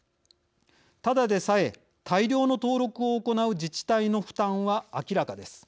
ただでさえ大量の登録を行う自治体の負担は明らかです。